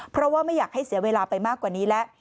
เพราะว่าไม่อยากให้เสียเวลาไปมากกว่านี้แล้ว